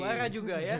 juara juga ya